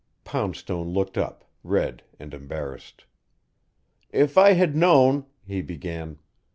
Poundstone looked up, red and embarrassed. "If I had known " he began.